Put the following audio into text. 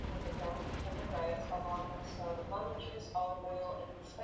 Kama bana tumika muzuri, bata ba pachiya ma jembe na ma mpiki